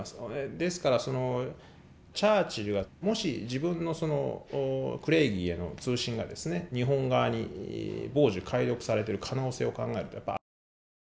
ですからチャーチルがもし自分のクレイギーへの通信が日本側に傍受解読されている可能性を考えるとやはり危ない。